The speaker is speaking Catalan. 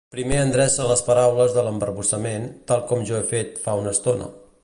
Primer endreça les paraules de l'embarbussament, tal com jo he fet fa una estona.